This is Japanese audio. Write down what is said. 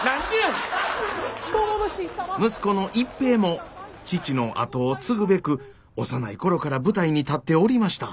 息子の一平も父の跡を継ぐべく幼い頃から舞台に立っておりました。